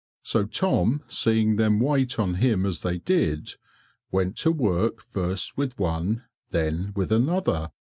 So Tom seeing them wait on him as they did, went to work first with one, then with another.